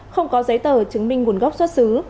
không có giấy tờ chứng minh nguồn gốc xuất xứ